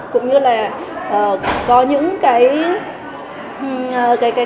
cũng như là có những cái